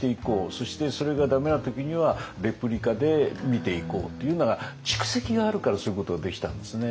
そしてそれが駄目な時にはレプリカで見ていこうっていうのが蓄積があるからそういうことができたんですね。